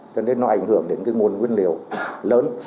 cho nên nó ảnh hưởng đến cái nguồn nguyên liệu lớn